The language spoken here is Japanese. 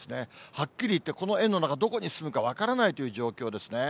はっきり言って、この円の中、どこに進むか分からないという状況ですね。